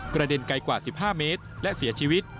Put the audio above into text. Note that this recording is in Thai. เด็นไกลกว่า๑๕เมตรและเสียชีวิต